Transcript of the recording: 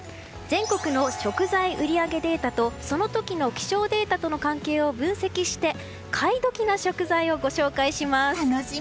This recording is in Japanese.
全国の食材売り上げデータとその時の気象データとの関係を分析して、買いドキな食材をご紹介します。